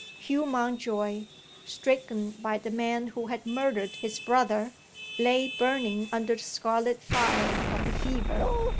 Hugh Mountjoy, stricken by the man who had murdered his brother, lay burning under the scarlet fire of the fever.